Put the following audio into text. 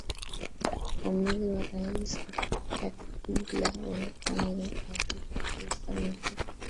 uamuzi wa rais kabila ulikuwa nidhahiri kabisa muziki